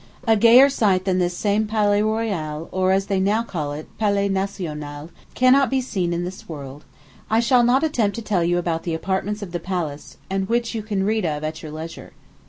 A gayer sight than this same Palais Royal, or, as they now call it, Palais National, cannot be seen in this world. I shall not attempt to tell you about the apartments of the palace, and which you can read of at your leisure.